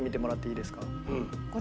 いいですか？